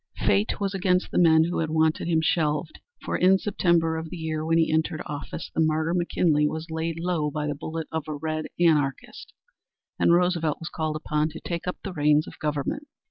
Fate was against the men who had wanted him shelved, for in September of the year when he entered office, the martyr, McKinley, was laid low by the bullet of a red anarchist, and Roosevelt was called upon to take up the reins of government.